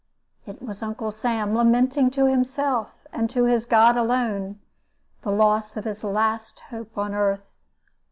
It was Uncle Sam, lamenting to himself, and to his God alone, the loss of his last hope on earth.